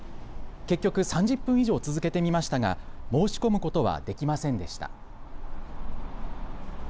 結局３０分以上続けてみましたが申し込むことはできませんでした。